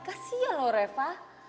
kasih ya lo reva